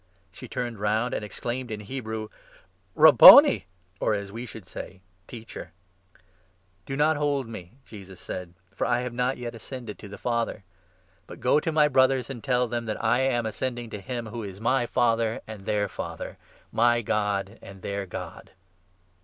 16 She turned round, and exclaimed in Hebrew :" Rabboni !" (or, as we should say, ' Teacher ')." Do not hold me," Jesus said; "for I have not yet ascended 17 to the Father. But go to my Brothers, and tell them that I am ascending to him who is my Father and their Father, my God and their God."